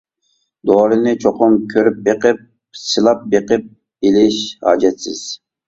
دورىنى چوقۇم كۆرۈپ بېقىپ، سىلاپ بېقىپ ئېلىش ھاجەتسىز.